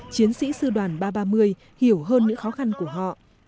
chiến sĩ sư đoàn ba trăm ba mươi hiểu hơn những khó khăn của họ